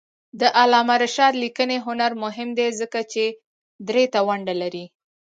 د علامه رشاد لیکنی هنر مهم دی ځکه چې دري ته ونډه لري.